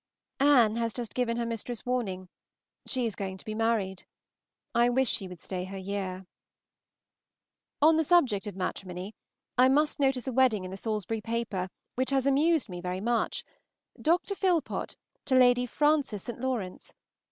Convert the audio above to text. Anne has just given her mistress warning; she is going to be married; I wish she would stay her year. On the subject of matrimony, I must notice a wedding in the Salisbury paper, which has amused me very much, Dr. Phillot to Lady Frances St. Lawrence.